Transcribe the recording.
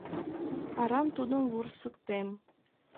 Арам тудым вурсыктем.